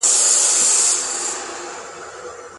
ایا په باطله نکاح کي طلاق نسته؟